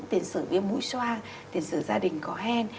tiền sử về mũi xoa tiền sử gia đình có hen